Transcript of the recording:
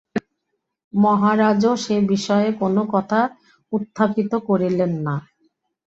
মহারাজও সে বিষয়ে কোন কথা উত্থাপিত করিলেন না।